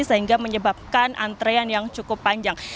sehingga menyebabkan antrean yang cukup panjang